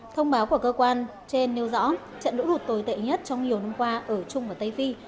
thông báo của cơ quan trên nêu rõ trận lũ lụt tồi tệ nhất trong nhiều năm qua ở trung và tây phi